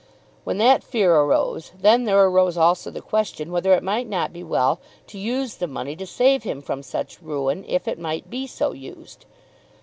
When that fear arose, then there arose also the question whether it might not be well to use the money to save him from such ruin, if it might be so used.